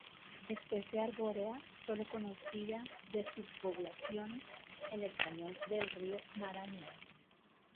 Especie arbórea solo conocida de subpoblaciones en el cañón del río Marañón.